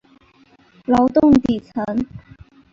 劳动底层